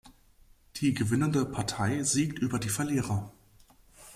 Die gewinnende Partei siegt über die Verlierer.